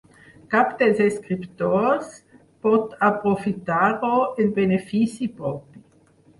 Cap dels escriptors pot aprofitar-ho en benefici propi.